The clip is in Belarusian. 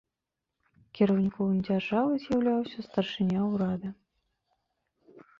Кіраўніком дзяржавы з'яўляўся старшыня ўрада.